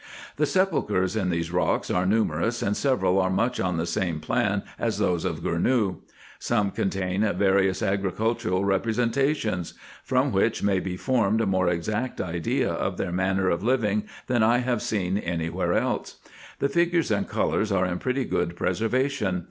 The sepulchres in these rocks are numerous, and several are much on the same plan as those of Gournou. Some contain various agri cultural representations ; from which may be formed a more exact idea of their manner of living than I have seen any where else. The figures and colours are in pretty good preservation.